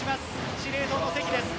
司令塔の関です。